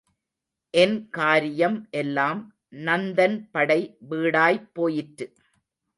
என் காரியம் எல்லாம் நந்தன் படை வீடாய்ப் போயிற்று.